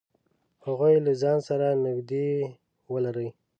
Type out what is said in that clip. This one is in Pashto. هغوی له ځان سره نږدې ولری.